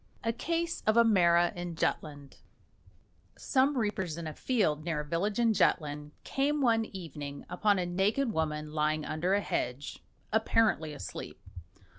A CASE OF A MARA IN JUTLAND Some reapers in a field, near a village in Jutland, came one evening upon a naked woman lying under a hedge, apparently asleep.